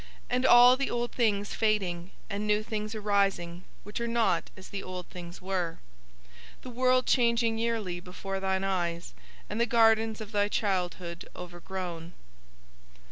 And all the old things fading and new things arising which are not as the old things were, the world changing yearly before thine eyes and the gardens of thy childhood overgrown.